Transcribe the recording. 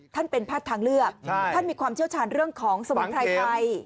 ท่านเป็นแพทย์ทางเลือกท่านมีความเชี่ยวชาญเรื่องของสมุนไพรไทย